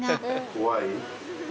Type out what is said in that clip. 怖い？